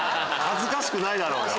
恥ずかしくないわ！